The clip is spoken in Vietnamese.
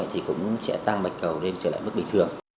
thì cũng sẽ tăng bạch cầu lên trở lại mức bình thường